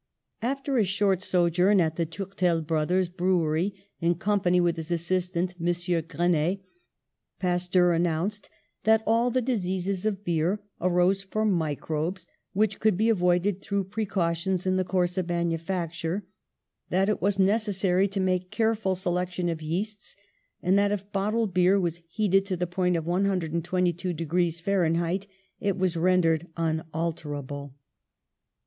After a short sojourn at the Tourtel Brothers' brewery, in company with his assistant, M. Grenet, Pasteur announced that all the diseases of beer arose from microbes which could be avoided through precautions in the course of manufacture, that it was necessary to make careful selection of yeasts, and that, if bottled beer was heated to the point of 122 degrees Fahrenheit, it was rendered unalterable.